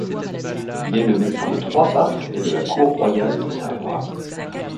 Il est le médecin de trois papes et de la cour royale de Savoie.